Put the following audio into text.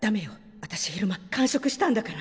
あたし昼間間食したんだから。